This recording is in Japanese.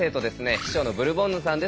秘書のブルボンヌさんです。